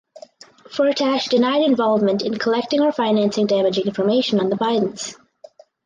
Firtash denied involvement in collecting or financing damaging information on the Bidens.